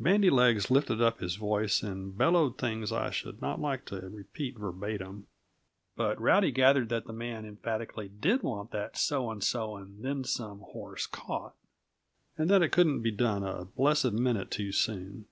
Bandy legs lifted up his voice and bellowed things I should not like to repeat verbatim. But Rowdy gathered that the man emphatically did want that so and so and then some horse caught, and that it couldn't be done a blessed minute too soon.